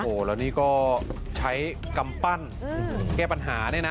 โอ้โหแล้วนี่ก็ใช้กำปั้นแก้ปัญหาเนี่ยนะ